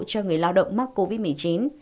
cho người lao động mắc covid một mươi chín